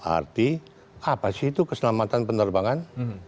arti apa sih itu keselamatan penerbangan